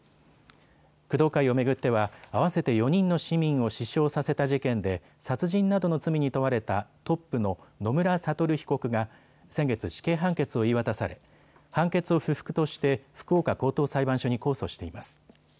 工藤会を巡っては合わせて４人の市民を死傷させた事件で殺人などの罪に問われたトップの野村悟被告が先月、死刑判決を言い渡され判決を不服として福岡高等裁判所に控訴しています。